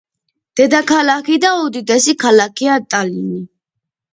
დედაქალაქი და უდიდესი ქალაქია ტალინი.